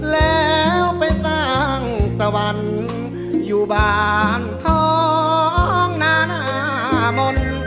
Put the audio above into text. แล้วไปสร้างสวรรค์อยู่บ้านท้องนานามน